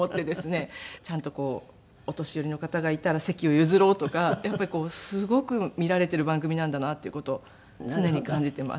ちゃんとお年寄りの方がいたら席を譲ろうとかやっぱりすごく見られている番組なんだなという事を常に感じています。